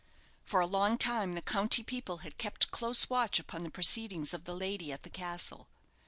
For a long time the county people had kept close watch upon the proceedings of the lady at the castle.